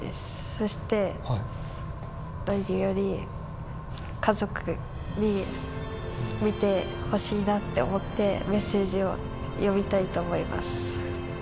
そして、何より家族に見てほしいなって思って、メッセージを読みたいと思います。